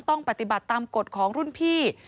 ต้องปฏิบัติตามกฎของรุ่นพี่